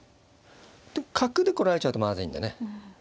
角で来られちゃうとまずいんだね。